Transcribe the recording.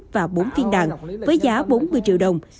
và bốn viên đạn với giá bốn mươi triệu đồng